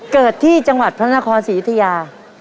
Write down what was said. เกิดที่จังหวัดพระนครศรียุธยา